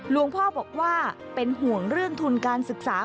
หลวงพ่อบอกว่าเป็นห่วงเรื่องทุนการศึกษา